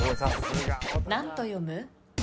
何と読む？